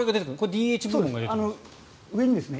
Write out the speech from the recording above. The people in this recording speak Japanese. ＤＨ部門が出てくるんですね。